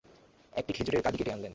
একটি খেজুরের কাঁদি কেটে আনলেন।